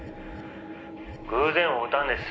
「偶然会うたんです。